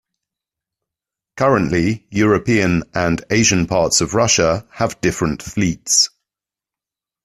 Currently, European and Asian parts of Russia have different fleets.